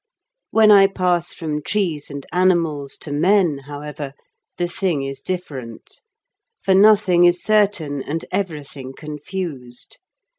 When I pass from trees and animals to men, however, the thing is different, for nothing is certain and everything confused.